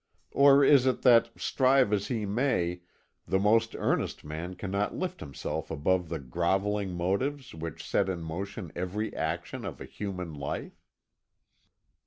Or is it that, strive as he may, the most earnest man cannot lift himself above the grovelling motives which set in motion every action of a human life?"